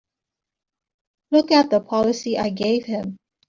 Look at the policy I gave him!